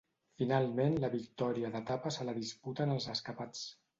Finalment la victòria d'etapa se la disputen els escapats.